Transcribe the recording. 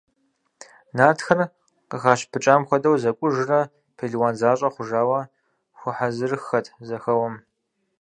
Нартхэр, къыхащыпыкӀам хуэдэу зэкӀужрэ пелуан защӀэ хъужауэ, хуэхьэзырыххэт зэхэуэм.